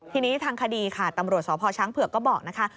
ทีนี้ทางคดีค่ะตำรวจสพช้างเผือกก็บอกนะคะ